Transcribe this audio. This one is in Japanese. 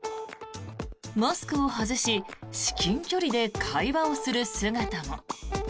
マスクを外し至近距離で会話をする姿も。